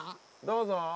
どうぞ。